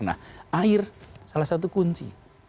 nah air salah satu kunci